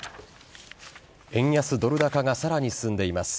円安ドル高がさらに進んでいます。